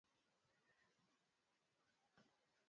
Mpemba huenda kusikokua Pemba kutafuta maisha na maendeleo